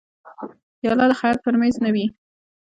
پیاله د خیاط پر مېز نه وي.